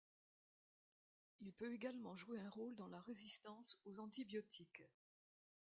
Il peut également jouer un rôle dans la résistance aux antibiotiques.